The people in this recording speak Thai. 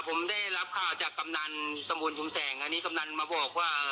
ผมได้รับข่าวจากกำลังสมวนชูแสงกำลังมาบอกว่า